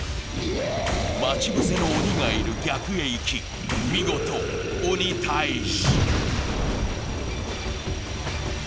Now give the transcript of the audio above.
待ち伏せの鬼がいる逆へ行き、見事鬼タイジ。